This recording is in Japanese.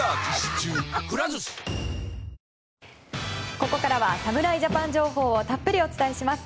ここからは侍ジャパン情報をたっぷりお伝えします。